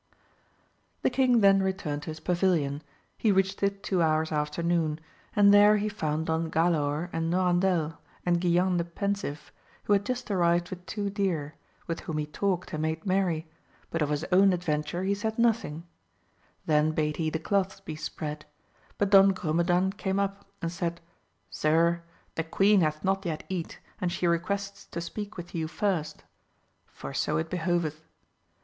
The king then returned to his pavilion, he reached it two hours after noon, and there he found Don Galaor and Norandel, and Guilan the Pensive, who had just arrived with two deer, with whom he talked and made merry, but of his own adventure he said nothing ; then bade he the cloths be spread, but Don Grumedan came up and said. Sir, the queen hath not yet eat, and she requests to speak with you first, for so it behoveth.